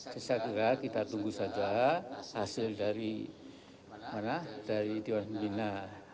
saya kira kita tunggu saja hasil dari tiong bina